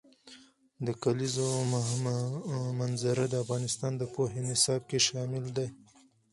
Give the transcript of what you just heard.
د کلیزو منظره د افغانستان د پوهنې نصاب کې شامل دي.